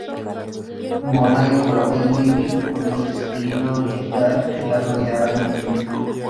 Mona decoró el living con el estilo oriental que la rodeaba en India.